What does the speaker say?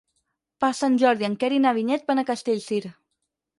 Per Sant Jordi en Quer i na Vinyet van a Castellcir.